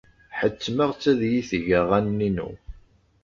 Ḥettmeɣ-tt ad iyi-teg aɣanen-inu.